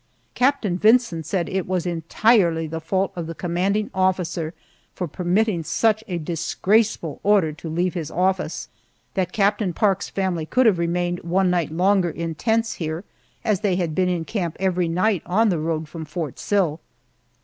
Captain Vincent said it was entirely the fault of the commanding officer for permitting such a disgraceful order to leave his office; that Captain Park's family could have remained one night longer in tents here, as they had been in camp every night on the road from Fort Sill.